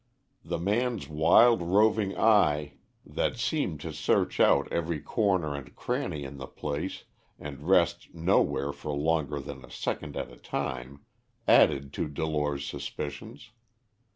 The man's wild, roving eye, that seemed to search out every corner and cranny in the place and rest nowhere for longer than a second at a time, added to Delore's suspicions.